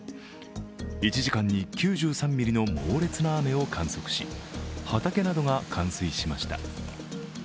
１時間に９３ミリの猛烈な雨を観測し畑などが冠水しました。